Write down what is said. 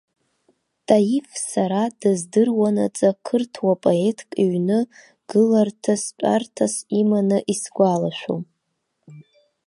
Таиф сара дыздыруанаҵы қырҭуа поетк иҩны гыларҭастәарҭас иманы исгәалашәом.